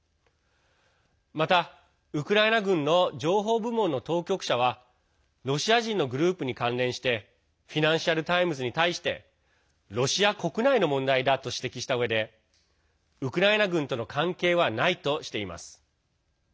また、ウクライナ軍の情報部門の当局者はロシア人のグループに関連してフィナンシャル・タイムズに対してロシア国内の問題だと指摘したうえでウクライナ軍との関係はないとしています。